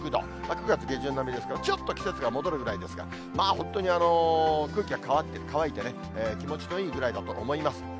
９月下旬並みですから、ちょっと季節が戻るぐらいですから、本当に空気が乾いてね、気持ちのいいぐらいだと思います。